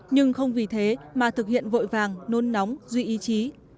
nhưng không vì thế mà thực hiện vội vàng nôn nóng duy ý chí